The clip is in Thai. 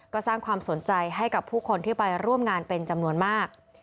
ก็สร้างความสนใจให้กับผู้คนที่ไปร่วมงานเป็นจำนวนมาก